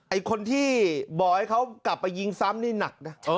ไอ้คนที่บอกให้เขากลับไปยิงซ้ำนี่หนักนะ